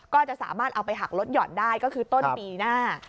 ก็จะสามารถเอาไปหักลดหย่อนได้ก็คือต้นปีหน้า